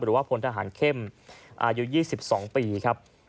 หรือว่าพลทหารเข้มอายุ๒๒ปีครับ